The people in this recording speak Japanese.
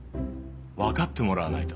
分かってもらわないと。